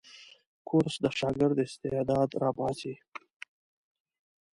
کورس د شاګرد استعداد راباسي.